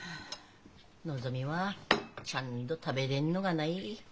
のぞみはちゃんと食べでんのかない。